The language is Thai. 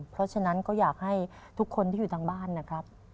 เพราะฉะนั้นก็อยากให้ทุกคนที่อยู่ทางบ้านนะครับ